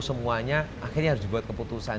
semuanya akhirnya harus dibuat keputusan